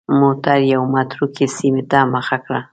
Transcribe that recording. موټر یوې متروکې سیمې ته مخه کړه.